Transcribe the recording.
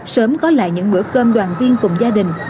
sớm có lại những bữa cơm đoàn viên cùng gia đình